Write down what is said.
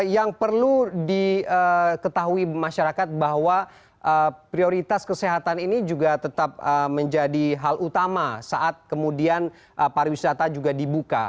yang perlu diketahui masyarakat bahwa prioritas kesehatan ini juga tetap menjadi hal utama saat kemudian pariwisata juga dibuka